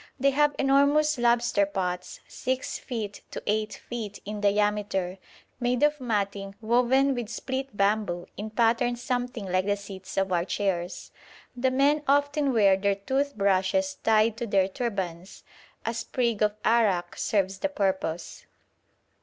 They have enormous lobster pots, 6 feet to 8 feet in diameter, made of matting woven with split bamboo, in patterns something like the seats of our chairs. The men often wear their tooth brushes tied to their turbans; a sprig of arrack serves the purpose.